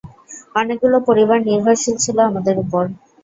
অনেকগুলো পরিবার নির্ভরশীল ছিল আমাদের উপর।